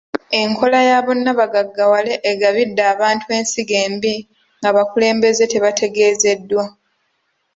Enkola ya bonna bagaggawale egabidde abantu ensigo embi nga abakulembeze tebategeezeddwa.